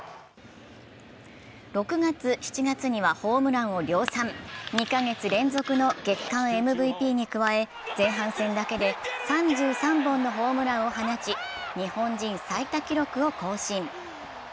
６月、７月にはホームランを量産、２カ月連続の月間ＭＶＰに加え前半戦だけで３３本のホームランを放ち日本人最多記録を更新。